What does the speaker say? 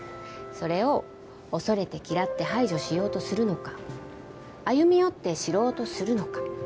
それを恐れて嫌って排除しようとするのか歩み寄って知ろうとするのか。